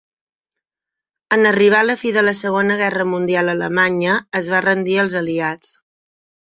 En arribar la fi de la Segona Guerra Mundial Alemanya es va rendir als Aliats.